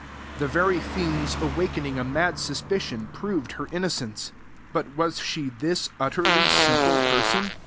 The very things awakening a mad suspicion proved her innocence. But was she this utterly simple person?